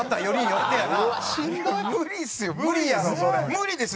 無理です！